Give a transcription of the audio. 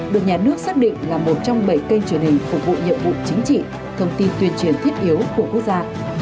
được nhà nước xác định là một trong bảy kênh truyền hình phục vụ nhiệm vụ chính trị thông tin tuyên truyền thiết yếu của quốc gia